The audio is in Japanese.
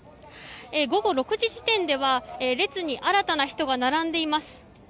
午後６時時点では列に新たな人が並んでいます。